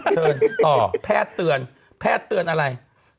ติดต่อแพทย์เตือนแพทย์เตือนอะไร